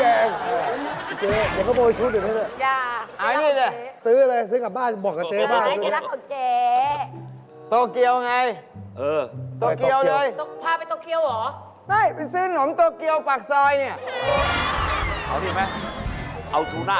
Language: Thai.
เออเอาหนังญี่ปุ่นสักเรื่องไว้ด้า